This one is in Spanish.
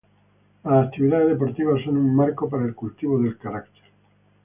Las actividades deportivas son un marco para el cultivo del carácter.